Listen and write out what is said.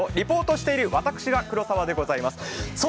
リポートしている私が黒澤でございます。